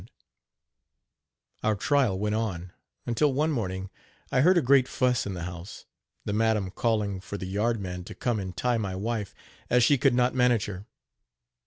" Our trial went on, until one morning I heard a great fuss in the house, the madam calling for the yard man to come and tie my wife, as she could not manage her.